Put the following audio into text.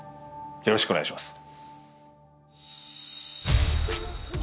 よろしくお願いします